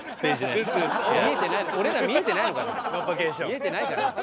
見えてないから。